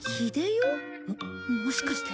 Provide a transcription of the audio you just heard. ももしかして。